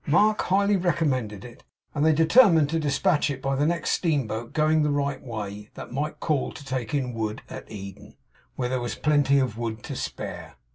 Mark highly commended it; and they determined to dispatch it by the next steamboat going the right way, that might call to take in wood at Eden where there was plenty of wood to spare.